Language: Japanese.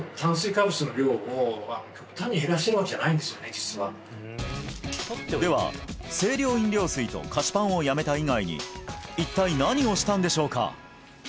実はでは清涼飲料水と菓子パンをやめた以外に一体何をしたんでしょうか？